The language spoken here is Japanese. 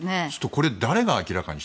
これ、誰が明らかに？